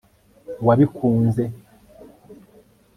wabikunze